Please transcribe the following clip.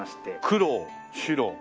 黒白。